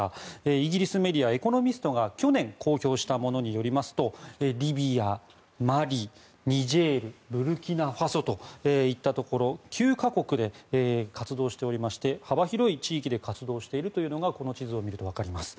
イギリスメディアエコノミストが去年公表したものによりますとリビア、マリ、ニジェールブルキナファソといったところ９か国で活動していまして幅広い国で活動していることがこの地図を見るとわかります。